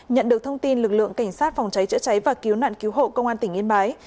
nhận được thông tin lực lượng cảnh sát phòng cháy chữa cháy và cứu nạn cứu hộ công an tỉnh yên bái